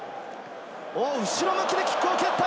後ろ向きでキックを蹴った。